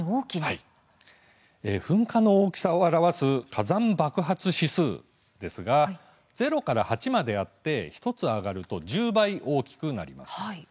こちら、噴火の大きさを表す火山爆発指数ですが０から８まであって１つ上がると１０倍大きくなります。